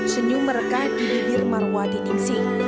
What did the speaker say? senyum mereka di bibir marwati tingsi